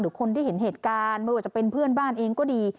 คนที่เห็นเหตุการณ์ไม่ว่าจะเป็นเพื่อนบ้านเองก็ดี